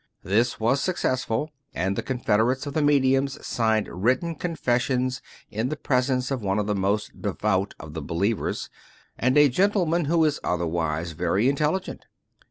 This was successful; and the confederates of the medium signed written confessions in the presence of one of the most de vout of the believers, and a gentleman who is otherwise very intelligent.